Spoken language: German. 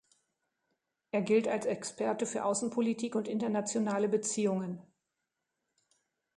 Er gilt als Experte für Außenpolitik und internationale Beziehungen.